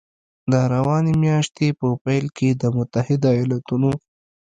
د روانې میاشتې په پیل کې د متحدو ایالتونو